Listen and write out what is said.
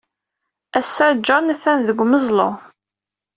Ass-a, John atan deg umeẓlu.